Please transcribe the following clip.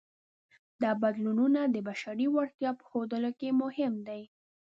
دا بدلونونه د بشري وړتیا په ښودلو کې مهم دي.